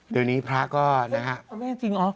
เดี๋ยวนี้พระก็นะฮะโอเคจริงอ๋อ